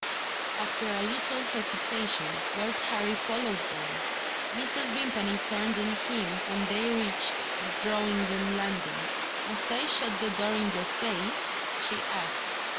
After a little hesitation, Lord Harry followed them. Mrs. Vimpany turned on him when they reached the drawing room landing. "Must I shut the door in your face?" she asked.